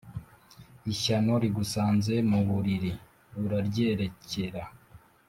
Ishyano rigusanze mu buriri uraryerekera.